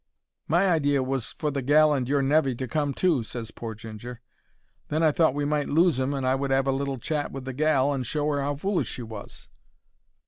"My idea was for the gal and your nevy to come too," ses pore Ginger. "Then I thought we might lose 'im and I would 'ave a little chat with the gal, and show 'er 'ow foolish she was."